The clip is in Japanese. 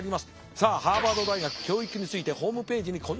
さあハーバード大学教育についてホームページにこんな使命を掲げております。